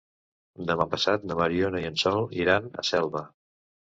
Demà passat na Mariona i en Sol iran a Selva.